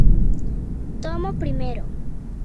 Tomo Primero.